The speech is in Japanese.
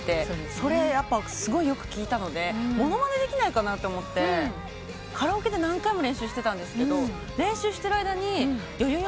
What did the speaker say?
それすごいよく聴いたので物まねできないかなと思ってカラオケで何回も練習してたんですけど練習してる間によよよ